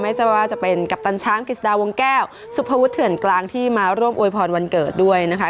จะว่าจะเป็นกัปตันช้างกิจดาวงแก้วสุภวุฒเถื่อนกลางที่มาร่วมอวยพรวันเกิดด้วยนะคะ